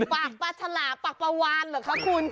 ปากปลาฉลาปากปลาวานเหรอคะคุณ